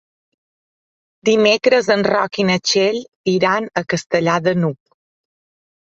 Dimecres en Roc i na Txell iran a Castellar de n'Hug.